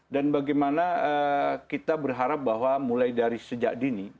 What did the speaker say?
dan bagaimana kita berharap bahwa mulai dari sejak dini